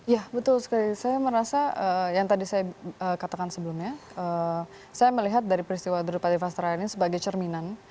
ya betul sekali saya merasa yang tadi saya katakan sebelumnya saya melihat dari peristiwa derupa defastra ini sebagai cerminan